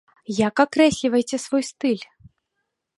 Як акрэсліваеце свой стыль?